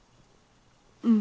うん。